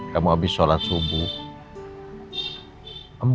kamu mau bagul eternal life